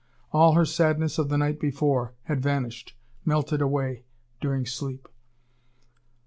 All her sadness of the night before had vanished, melted away, during sleep.